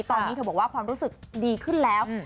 ตอนนี้เธอบอกว่าความรู้สึกดีขึ้นแล้ว